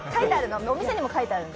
お店にも書いてあるので。